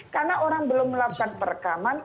karena orang belum melakukan perekaman